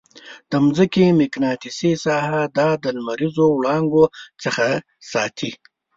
د مځکې مقناطیسي ساحه دا د لمریزو وړانګو څخه ساتي.